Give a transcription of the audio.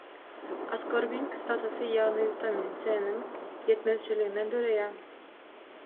Askorbin kislotasy ýagny witamin c - niň ýetmezçiliginden döreýär.